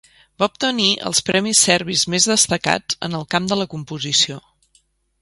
Va obtenir els premis serbis més destacats en el camp de la composició.